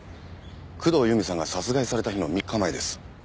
工藤由美さんが殺害された日の３日前です。